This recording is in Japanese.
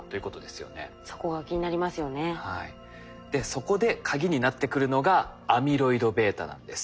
そこでカギになってくるのがアミロイドβなんです。